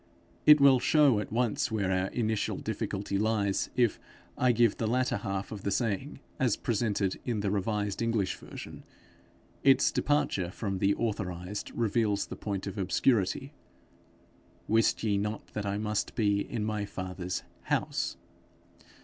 It will show at once where our initial difficulty lies, if I give the latter half of the saying as presented in the revised English version: its departure from the authorized reveals the point of obscurity: 'Wist ye not that I must be in my father's house?'